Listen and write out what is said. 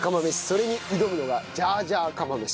それに挑むのがジャージャー釜飯。